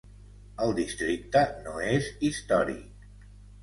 El districte no és històric.